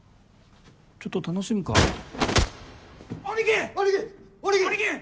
ちょっと楽しむかガン！